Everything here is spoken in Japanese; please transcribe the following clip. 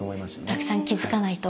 たくさん気付かないと！